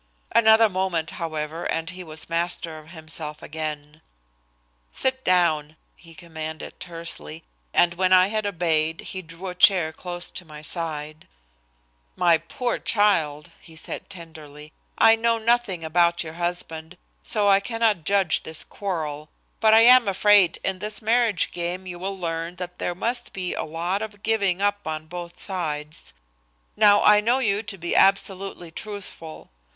Another moment, however, and he was master of himself again. "Sit down," he commanded tersely, and when I had obeyed he drew a chair close to my side. "My poor child," he said tenderly, "I know nothing about your husband, so I cannot judge this quarrel. But I am afraid in this marriage game you will learn that there must be a lot of giving up on both sides. Now I know you to be absolutely truthful.